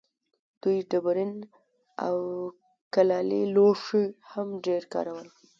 دوی ډبرین او کلالي لوښي هم ډېر کارول.